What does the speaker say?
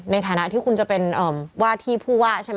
ในฐานะที่คุณจะเป็นว่าที่ผู้ว่าใช่ไหม